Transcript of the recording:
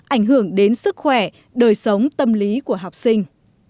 ảnh hưởng đến sức khỏe đời sống tâm lý của học sinh